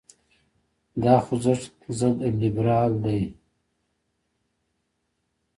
دا خوځښت ضد لیبرال دی.